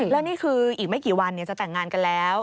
แล้วนี่คืออีกไม่กี่วันจะแต่งงานกันแล้ว